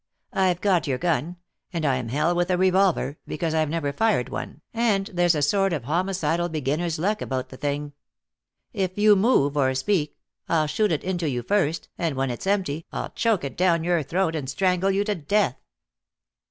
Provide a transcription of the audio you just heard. "I've got your gun, and I am hell with a revolver, because I've never fired one, and there's a sort of homicidal beginner's luck about the thing. If you move or speak, I'll shoot it into you first and when it's empty I'll choke it down your throat and strangle you to death."